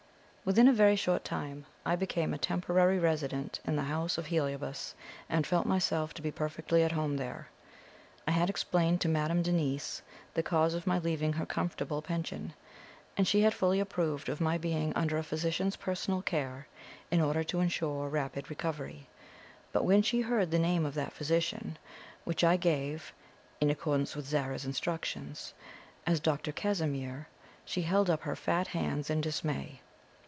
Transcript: Within a very short time I became a temporary resident in the house of Heliobas, and felt myself to be perfectly at home there. I had explained to Madame Denise the cause of my leaving her comfortable Pension, and she had fully approved of my being under a physician's personal care in order to ensure rapid recovery; but when she heard the name of that physician, which I gave (in accordance with Zara's instructions) as Dr. Casimir, she held up her fat hands in dismay.